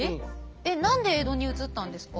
えっ何で江戸に移ったんですか？